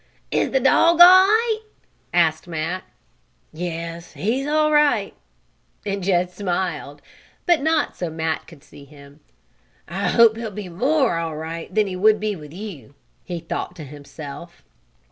"Is the dog all right?" asked Matt. "Yes, he's all right," and Jed smiled, but not so Matt could see him. "I hope he'll be more all right than he would be with you," he thought to himself.